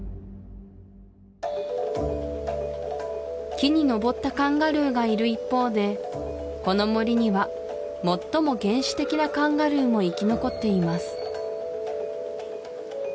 木に登ったカンガルーがいる一方でこの森には最も原始的なカンガルーも生き残っています